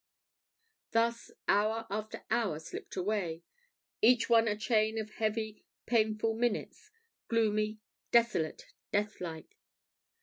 Thus hour after hour slipped away, each one a chain of heavy, painful minutes, gloomy, desolate, deathlike.